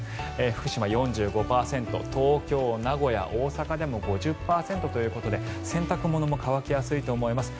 福島、４５％東京、名古屋、大阪でも５０％ということで洗濯物も乾きやすいと思います。